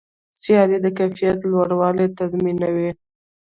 سیالي د کیفیت لوړوالی تضمینوي.